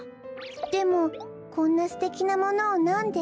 でもこんなすてきなものをなんで？